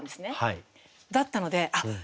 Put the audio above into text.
だったのであっ「猫の恋」